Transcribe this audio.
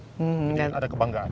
jadi ada kebanggaan